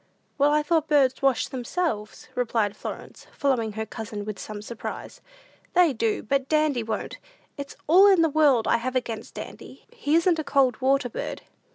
"Why, I thought birds washed themselves," replied Florence, following her cousin with some surprise. "They do, but Dandy won't; it's all in the world I have against Dandy; he isn't a cold water bird."